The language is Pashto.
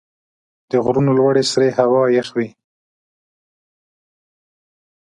د غرونو لوړې سرې هوا یخ وي.